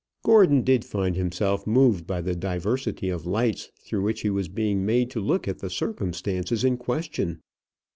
Gordon did find himself moved by the diversity of lights through which he was made to look at the circumstances in question.